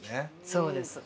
そうです。